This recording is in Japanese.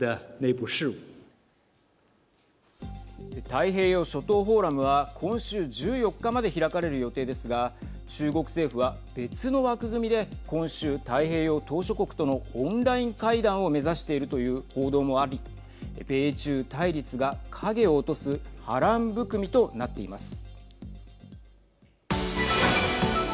太平洋諸島フォーラムは今週１４日まで開かれる予定ですが中国政府は、別の枠組みで今週、太平洋島しょ国とのオンライン会談を目指しているという報道もあり米中対立が影を落とす波乱含みとなっています。